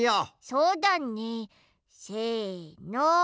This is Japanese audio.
そうだねせの。